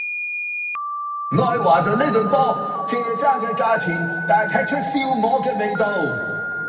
愛華頓呢隊波蔗渣嘅價錢,但係踢出燒鵝嘅味道